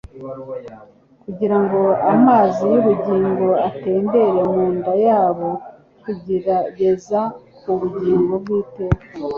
kugira ngo amazi y'ubugingo atembere mu nda yabo kugeza ku bugingo bw'iteka.